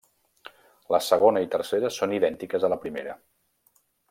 La segona i tercera són idèntiques a la primera.